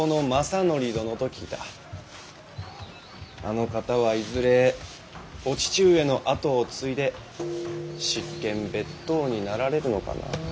あの方はいずれお父上の跡を継いで執権別当になられるのかな。